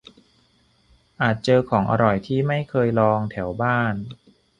- อาจเจอของอร่อยที่ไม่เคยลองแถวบ้าน